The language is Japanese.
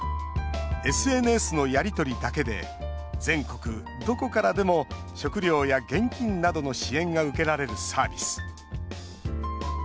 ＳＮＳのやり取りだけで全国どこからでも食料や現金などの支援が受けられるサービス。